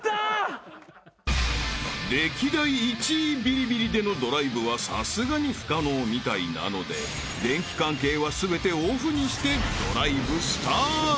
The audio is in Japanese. ［歴代１位ビリビリでのドライブはさすがに不可能みたいなので電気関係は全てオフにしてドライブスタート］